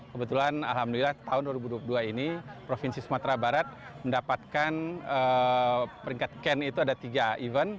kebetulan alhamdulillah tahun dua ribu dua puluh dua ini provinsi sumatera barat mendapatkan peringkat ken itu ada tiga event